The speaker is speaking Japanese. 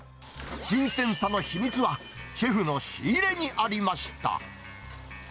新鮮さの秘密は、シェフの仕入れにありました。